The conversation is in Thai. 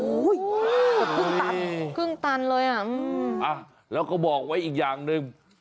โอ้โหครึ่งตันครึ่งตันเลยอ่ะแล้วก็บอกไว้อีกอย่างหนึ่ง